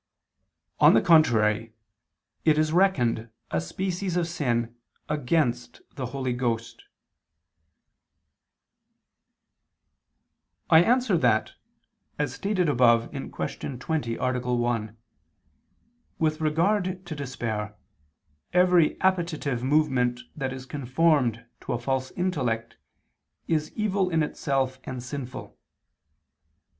On the contrary, It is reckoned a species of sin against the Holy Ghost. I answer that, As stated above (Q. 20, A. 1) with regard to despair, every appetitive movement that is conformed to a false intellect, is evil in itself and sinful.